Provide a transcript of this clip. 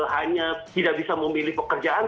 hanya tidak bisa memilih pekerjaan